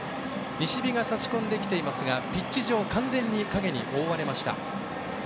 西日が差し込んできていますがピッチ上は完全に影に覆われました。